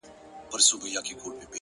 هره هڅه راتلونکی بدلولای شي،